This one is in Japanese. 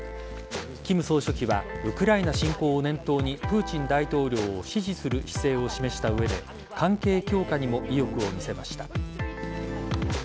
金総書記はウクライナ侵攻を念頭にプーチン大統領を支持する姿勢を示した上で関係強化にも意欲を見せました。